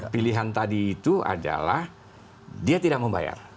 pilihan tadi itu adalah dia tidak membayar